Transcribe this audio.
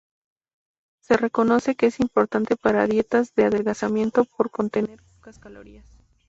Se reconoce que es importante para dietas de adelgazamiento por contener pocas calorías.